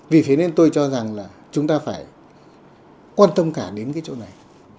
vì thế nên tôi cho rằng là chúng ta phải quan tâm cả đến cái chỗ này